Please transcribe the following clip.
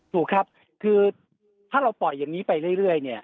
ถูกครับคือถ้าเราปล่อยอย่างนี้ไปเรื่อยเนี่ย